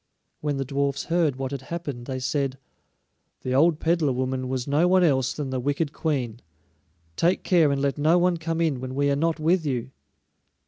When the dwarfs heard what had happened they said: "The old peddler woman was no one else than the wicked Queen; take care and let no one come in when we are not with you."